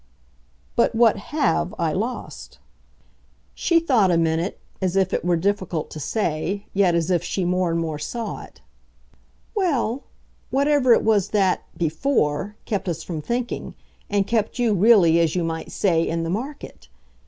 "But what HAVE I lost?" She thought a minute, as if it were difficult to say, yet as if she more and more saw it. "Well, whatever it was that, BEFORE, kept us from thinking, and kept you, really, as you might say, in the market.